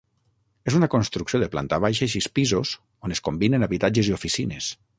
És una construcció de planta baixa i sis pisos on es combinen habitatges i oficines.